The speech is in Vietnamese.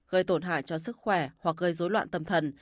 gây tổn hại cho sức khỏe hoặc gây dối loạn tâm thần